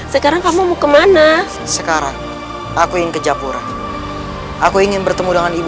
nenek pasti akan menemani